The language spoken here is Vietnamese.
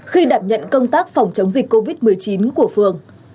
khi đảm nhận công tác phòng chống dịch covid một mươi chín của phường